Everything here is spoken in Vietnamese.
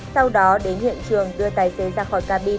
sau đó đến hiện trường đưa tài xế ra khỏi cabin